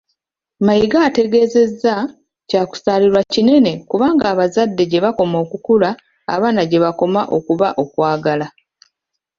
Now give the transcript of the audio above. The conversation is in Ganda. Mayiga ategeezezza kyakusaalirwa kinene kubanga abazadde gye bakoma okukula abaana gye bakoma okuba okwagala.